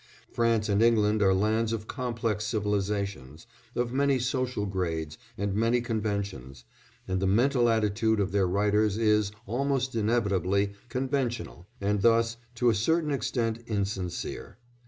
France and England are lands of complex civilisations, of many social grades and many conventions, and the mental attitude of their writers is, almost inevitably, conventional, and thus, to a certain extent, insincere.